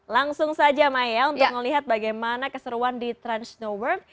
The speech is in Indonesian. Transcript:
langsung saja maya untuk melihat bagaimana keseruan di trans snow world